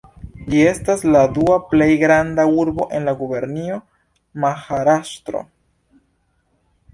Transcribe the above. Ĝi estas la dua plej granda urbo en la gubernio Maharaŝtro.